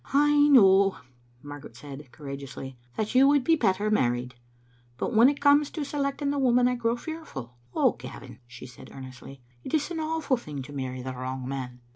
"I know," Margaret said, courageously, "that you would be better married ; but when it comes to selecting the woman I grow fearful. O Gavin! " she said, ear nestly, "it is an awful thing to marry the wrong man!"